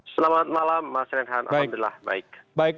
selamat malam mas renhan alhamdulillah baik